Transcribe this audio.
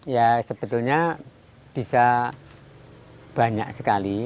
ya sebetulnya bisa banyak sekali